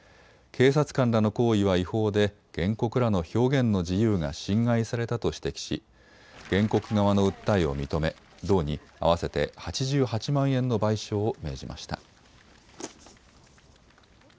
警察官らの行為は違法で原告らの表現の自由が侵害されたと指摘し、原告側の訴えを認め道に合わせて８８万円の賠償を命じました。